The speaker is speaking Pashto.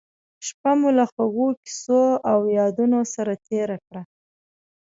شپه مو له خوږو کیسو او یادونو سره تېره کړه.